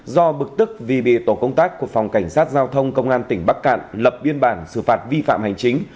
do bực tức vì bị tổ công tác của phòng cảnh sát giao thông công an tỉnh bắc cạn lập biên bản xử phạt vi phạm hành chính